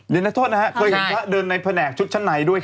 เดี๋ยวนะโทษนะเคยเห็นก็เดินในแผ่นแหกชุดชะไนด้วย